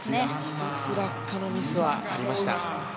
１つ、落下のミスはありました。